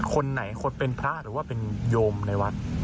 คนไหนคนเป็นพระหรือว่าเป็นโยมในวัด